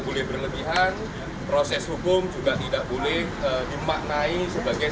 boleh berlebihan proses hukum juga tidak boleh dimaknai sebagai